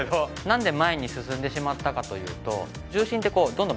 なんで前に進んでしまったかというと。